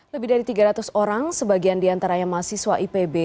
lebih dari tiga ratus orang sebagian diantaranya mahasiswa ipb